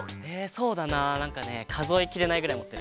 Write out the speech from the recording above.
そうだななんかねかぞえきれないぐらいもってる。